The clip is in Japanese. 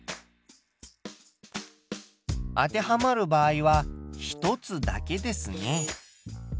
当てはまる場合は１つだけですね。